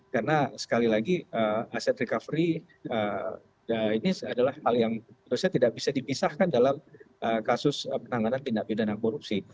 karena sekali lagi aset recovery ini adalah hal yang tidak bisa dipisahkan dalam kasus penanganan tindak pidan atau korupsi